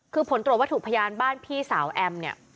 คือผลตรวจว่าถูกพยานบ้านพี่สาวแอม